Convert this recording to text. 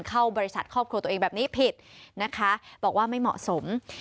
เข้าบริษัทครอบครัวตัวเองแบบนี้ผิดนะคะบอกว่าไม่เหมาะสม